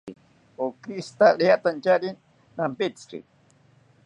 Okishita riantanchari nampitziki